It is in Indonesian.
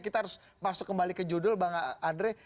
kita harus masuk kembali ke judul bang andre